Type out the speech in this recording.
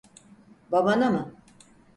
Babana mı?